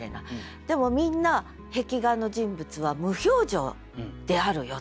でもみんな壁画の人物は無表情であるよと。